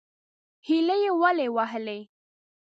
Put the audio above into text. _هيلۍ يې ولې وهلې؟